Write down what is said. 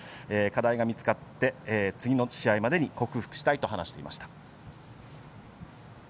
課題が見つかって次の試合までに克服したいと話していました。